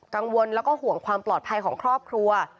กังวลแล้วก็ห่วงความปลอดภัยของครอบครัว